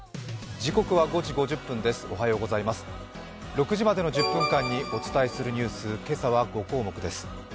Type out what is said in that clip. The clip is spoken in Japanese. ６時までの１０分間にお伝えするニュース、今朝は５項目です。